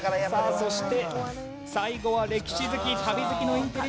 そして最後は歴史好き旅好きのインテリ女優